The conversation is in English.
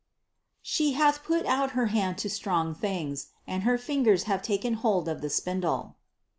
"She hath put out her hand to strong things, and her ringers have taken hold of the spindle."